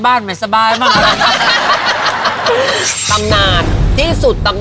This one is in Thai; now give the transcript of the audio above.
บาร์โฮสมันเลิศมาก